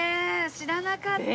知らなかったよ。